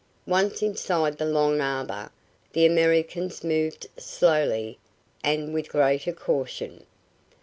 Once inside the long arbor, the Americans moved slowly and with greater caution.